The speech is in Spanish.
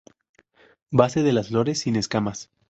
Base de las flores sin escamas.